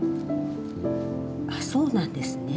あっそうなんですね。